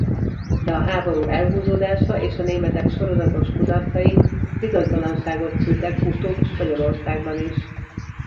De a háború elhúzódása és a németek sorozatos kudarcai bizonytalanságot szültek utóbb Spanyolországban is.